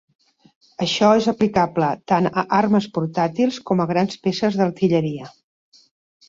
Això és aplicable tant a armes portàtils com a grans peces d'artilleria.